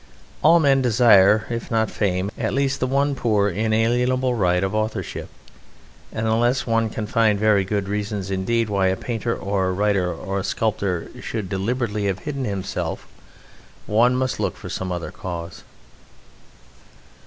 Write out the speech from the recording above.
All men desire, if not fame, at least the one poor inalienable right of authorship, and unless one can find very good reasons indeed why a painter or a writer or a sculptor should deliberately have hidden himself one must look for some other cause.